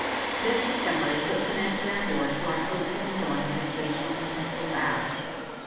This discovery puts an end therefore to our hopes of enjoying an occasional peaceful bath.